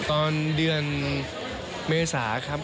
ตอนเดือนเมษาครับ